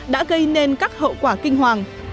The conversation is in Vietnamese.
đã gây nên các hậu quả kinh hoàng